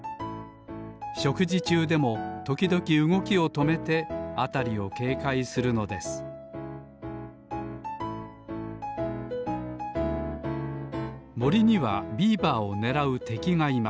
しょくじちゅうでもときどきうごきをとめてあたりをけいかいするのですもりにはビーバーをねらうてきがいま